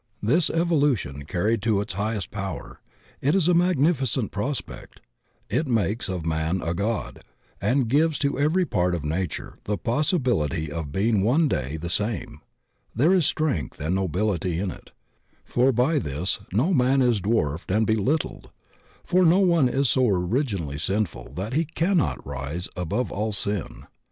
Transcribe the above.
This is evolution carried to its highest power; it is a magnificent prospect; it makes of man a god, and gives to every part of nature the possibility of being one day the same; there is strength and nobility in it, for by this no man is dwarfed and beUttled, for no one is so originally sinful that he cannot rise above all sin.